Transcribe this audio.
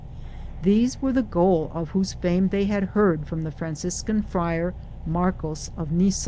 These were the goal of whose fame they had heard from the Franciscan friar, Marcos of Nice